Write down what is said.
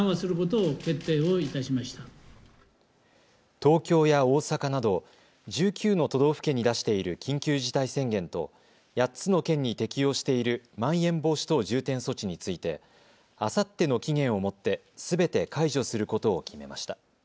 東京や大阪など１９の都道府県に出している緊急事態宣言と８つの県に適用しているまん延防止等重点措置についてあさっての期限をもってすべて解除することを決めました。